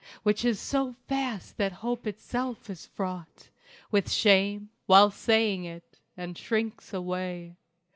Which is so vast that hope itself is fraught With shame, while saying it, and shrinks away.